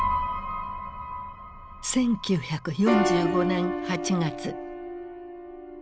１９４５年８月。